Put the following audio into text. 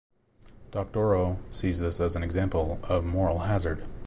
Doctorow sees this as an example of moral hazard.